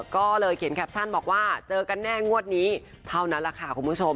ก็เลยเขียนแคปชั่นบอกว่าเจอกันแน่งวดนี้เท่านั้นแหละค่ะคุณผู้ชม